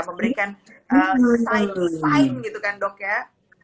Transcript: memberikan desain gitu kan dok ya